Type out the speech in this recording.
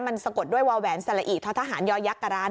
มันสะกดด้วยวาวแหวนเสลอิทธาตุทหารยอยักษ์กรรณ